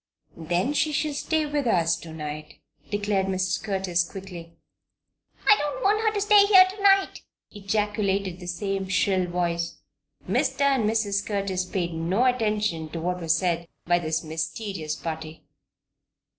"Then she shall stay with us to night," declared Mrs. Curtis, quickly. "I don't want her to stay here to night!" ejaculated the same shrill voice. Mr. and Mrs. Curtis paid no attention to what was said by this mysterious third party.